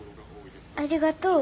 ありがとう。